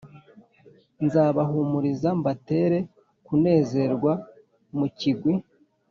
nzabahumuriza mbatere kunezerwa mu kigwi